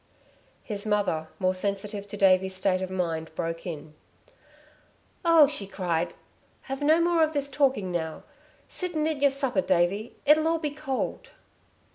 His mother, more sensitive to Davey's state of mind, broke in. "Oh," she cried, "have no more of this talking now I Sit down and eat your supper, Davey. It'll all be cold."